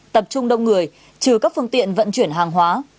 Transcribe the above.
tập trung đông người trừ các phương tiện vận chuyển hàng hóa